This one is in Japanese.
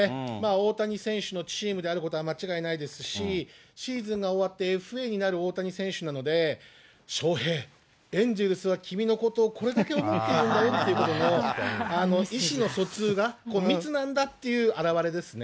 大谷選手のチームであることは間違いないですし、シーズンが終わってＦＡになる大谷選手なので、翔平、エンゼルスは君のことをこれだけ思っているんだよってことの意思の疎通が、密なんだっていう表れですね。